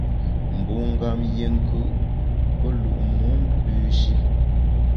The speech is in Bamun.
Mbungam yié nkù’, pe lu’ muom pü shi.